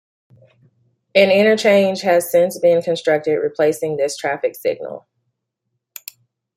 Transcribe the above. An interchange has since been constructed replacing this traffic signal.